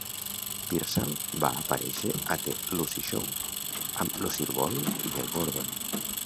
Piersall va aparèixer a "The Lucy Show" amb Lucille Ball i Gale Gordon.